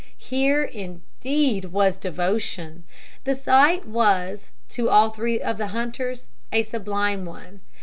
Here indeed was devotion! The sight was, to all three of the hunters, a sublime one.